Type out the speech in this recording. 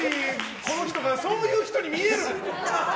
この人がそういう人に見える！